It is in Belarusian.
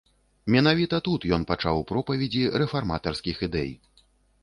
Менавіта тут ён пачаў пропаведзі рэфарматарскіх ідэй.